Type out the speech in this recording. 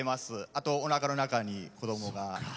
あと、おなかの中に子供が。